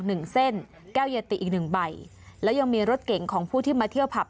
หนึ่งเส้นแก้วยาติอีกหนึ่งใบแล้วยังมีรถเก่งของผู้ที่มาเที่ยวผับ